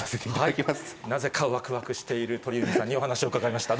なぜかわくわくしている鳥海さんにお話を伺いました。